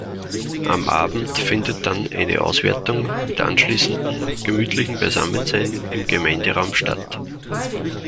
Am Abend findet dann eine Auswertung mit anschließendem gemütlichen Beisammensein im Gemeinderaum statt.